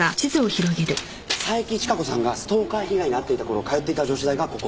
佐伯千加子さんがストーカー被害に遭っていた頃通っていた女子大がここ。